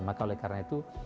maka oleh karena itu